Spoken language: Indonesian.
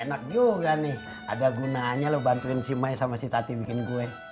enak juga nih ada gunanya loh bantuin si mai sama si tati bikin gue